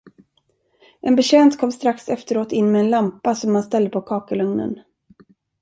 En betjänt kom strax efteråt in med en lampa, som han ställde på kakelugnen.